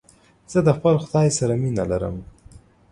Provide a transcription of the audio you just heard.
زه د خپل خداى سره مينه لرم.